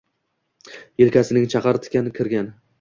Yelkasining chaqir tikan kirgan.